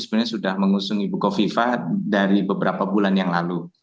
sebenarnya sudah mengusung ibu kofifah dari beberapa bulan yang lalu